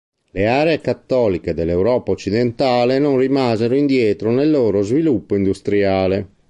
Le aree cattoliche dell'Europa occidentale non rimasero indietro nel loro sviluppo industriale.